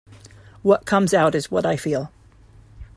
What comes out is what I feel.